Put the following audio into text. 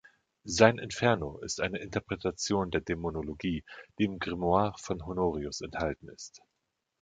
Sein „Inferno“ ist eine Interpretation der Dämonologie, die im Grimoire von Honorius enthalten ist.